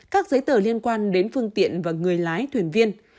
các giấy tờ liên quan đến phương tiện và người lái thuyền viên